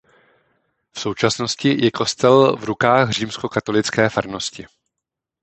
V současnosti je kostel v rukách římskokatolické farnosti.